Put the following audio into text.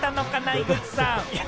井口さん。